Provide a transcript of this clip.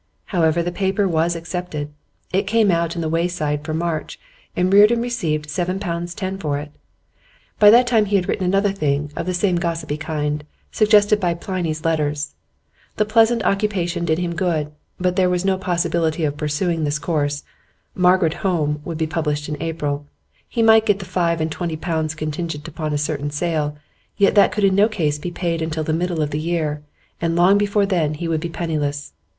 However, the paper was accepted. It came out in The Wayside for March, and Reardon received seven pounds ten for it. By that time he had written another thing of the same gossipy kind, suggested by Pliny's Letters. The pleasant occupation did him good, but there was no possibility of pursuing this course. 'Margaret Home' would be published in April; he might get the five and twenty pounds contingent upon a certain sale, yet that could in no case be paid until the middle of the year, and long before then he would be penniless.